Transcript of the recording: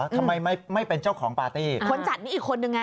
ทำไมไม่เป็นเจ้าของปาร์ตี้คนจัดนี่อีกคนนึงไง